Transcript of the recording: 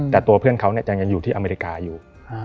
แต่ตัวเพื่อนเขาจะยังอยู่ที่อเมริกาอยู่